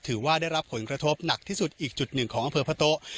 ถือว่าได้รับผลกระทบหนักที่สุดอีกจุดหนึ่งของอำเภอพะโต๊ะ